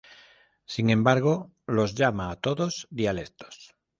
Sin embargo, los llama a todos dialectos.